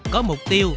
có mục tiêu